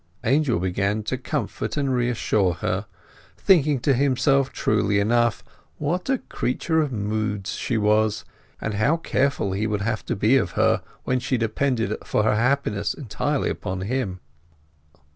Angel began to comfort and reassure her, thinking to himself, truly enough, what a creature of moods she was, and how careful he would have to be of her when she depended for her happiness entirely on him.